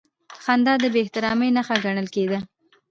خندا د بېاحترامۍ نښه ګڼل کېده.